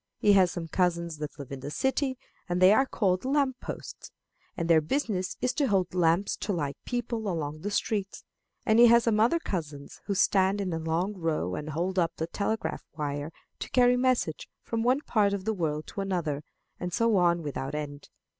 He has some cousins that live in the city, and they are called lamp posts, and their business is to hold lamps to light people along the streets; and he has some other cousins who stand in a long row and hold up the telegraph wire to carry messages from one part of the world to another; and so on without end.